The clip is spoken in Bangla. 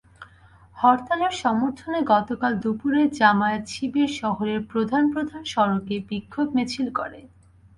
হরতালের সমর্থনে গতকাল দুপুরে জামায়াত-শিবির শহরের প্রধান প্রধান সড়কে বিক্ষোভ মিছিল করে।